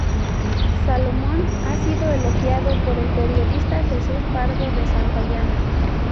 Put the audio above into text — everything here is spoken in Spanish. Salomón ha sido elogiado por el periodista Jesús Pardo de Santayana.